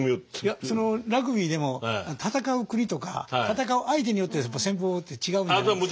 いやラグビーでも戦う国とか戦う相手によって戦法って違うんじゃないですか？